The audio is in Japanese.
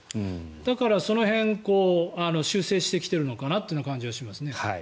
だから、その辺を修正してきているのかなという感じがしますね。